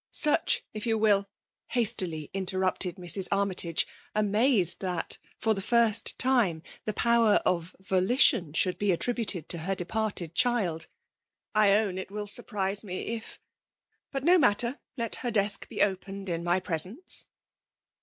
^ SearcK if yon irill,— ^astfly mterrupled Ifes. Armytage, amaoed that* for the first time^ the power of vcdition should be attribttted to hv departed chihL *' I own it will swrpnse sae if — ^bnt no matter. Let her desk be opened in my presence.'